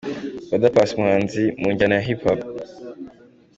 Oda Paccy umuhanzi mu njyana ya HipHop.